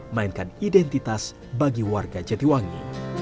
melainkan identitas bagi warga jatiwangi